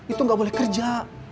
itu gak boleh kerja